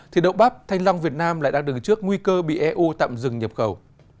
thì đậu bắp thanh long việt nam lại đang đứng trước nguy cơ bị eu tạm dừng nhập khẩu